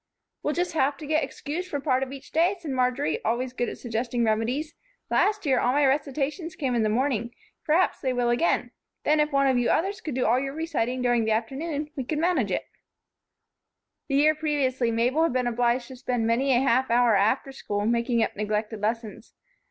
"We'll just have to get excused for part of each day," said Marjory, always good at suggesting remedies. "Last year, all my recitations came in the morning; perhaps they will again. Then, if one of you others could do all your reciting during the afternoon we could manage it." The year previously Mabel had been obliged to spend many a half hour after school, making up neglected lessons.